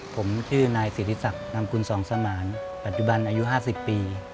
ผมชื่อนายศิริษักนำคุณสองสมานปัจจุบันอายุ๕๐ปี